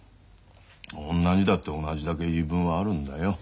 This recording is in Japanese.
女にだって同じだけ言い分はあるんだよ。